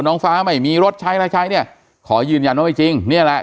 น้องฟ้าไม่มีรถใช้อะไรใช้เนี่ยขอยืนยันว่าไม่จริงเนี่ยแหละ